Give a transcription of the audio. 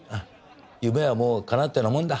夢はもうかなったようなもんだ。